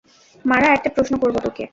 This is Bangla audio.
মারা, একটা প্রশ্ন করবো তোকে।